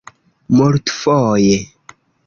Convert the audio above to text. multfoje